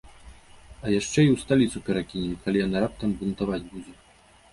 А яшчэ і ў сталіцу перакінем, калі яна раптам бунтаваць будзе.